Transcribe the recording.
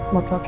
motel kecap bu